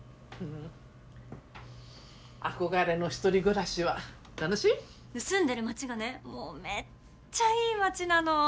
憧れの一人暮らしは楽しい？住んでる街がねもうめっちゃいい街なの。